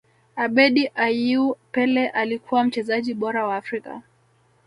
abedi ayew pele alikuwa mchezaji bora wa afrika